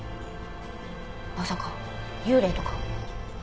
まさか幽霊とか？